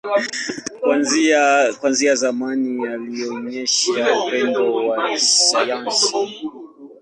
Kuanzia zamani, alionyesha upendo wa sayansi.